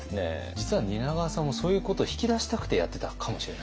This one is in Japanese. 実は蜷川さんもそういうことを引き出したくてやってたかもしれない。